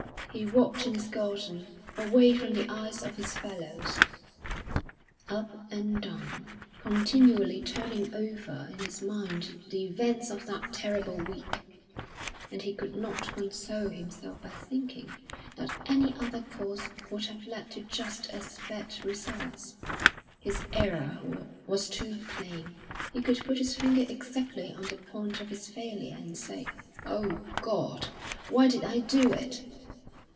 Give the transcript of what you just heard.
He walked in his garden, away from the eyes of his fellows, up and down, continually turning over in his mind the events of that terrible week. And he could not console himself by thinking that any other course would have led to just as bad results. His error was too plain; he could put his finger exactly on the point of his failure and say, "O God! why did I do it?"